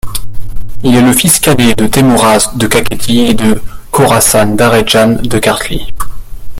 Il est le fils cadet de Teimouraz de Kakhétie et de Khorassan-Daredjan de Karthli.